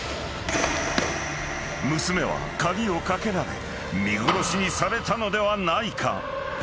［娘は鍵を掛けられ見殺しにされたのではないかと］